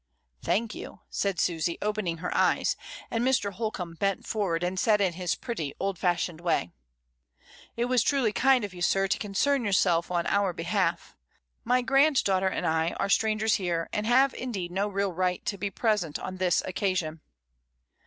"Thank you," said Susy, opening her eyes; and Mrs, Dymond. /. 3 34 MRS. DYMOND. Mr. Holcombe bent forward, and said in his pretty old fashioned way — "It was truly kind of you, sir, to concern your self on our behalf. My granddaughter and I are strangers here; and have indeed no real right to be present on this occasion."